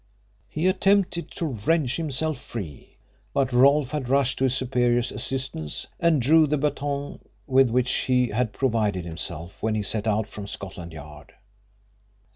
He attempted to wrench himself free, but Rolfe had rushed to his superior's assistance, and drew the baton with which he had provided himself when he set out from Scotland Yard.